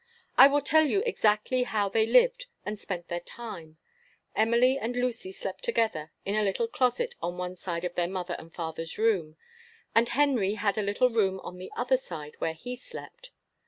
I will tell you exactly how they lived and spent their time; Emily and Lucy slept together in a little closet on one side of their mother and father's room; and Henry had a little room on the other side, where he slept.